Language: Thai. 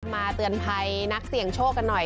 เตือนภัยนักเสี่ยงโชคกันหน่อย